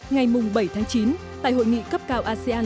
ngày bảy tháng chín tại hội nghị cấp cao asean